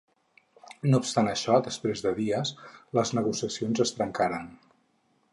No obstant això, després de dies, les negociacions es trencaren.